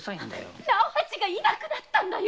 直八がいなくなったんだよ。